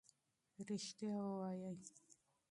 ریښتیا ووایئ.